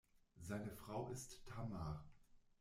Seine Frau ist Tamar.